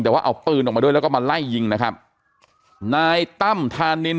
แต่ว่าเอาปืนออกมาด้วยแล้วก็มาไล่ยิงนะครับนายตั้มธานิน